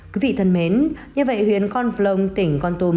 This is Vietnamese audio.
quý vị thân mến như vậy huyền con phlông tỉnh con tùm